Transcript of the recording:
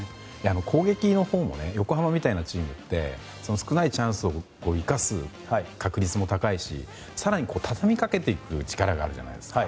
攻撃のほうもね横浜みたいなチームって少ないチャンスを生かす確率も高いし更に畳みかけていく力があるじゃないですか。